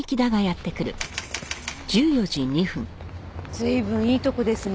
随分いいとこですね。